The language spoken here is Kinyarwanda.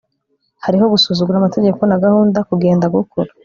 Hariho gusuzugura amategeko na gahunda kugenda gukura